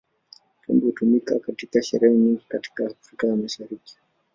Pombe hutumika katika sherehe nyingi katika Afrika ya Mashariki.